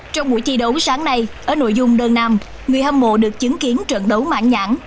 trong buổi thi đấu sáng nay ở nội dung đơn nam người hâm mộ được chứng kiến trận đấu mãn nhãn